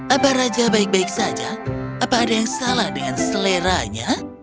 apa raja baik baik saja apa ada yang salah dengan seleranya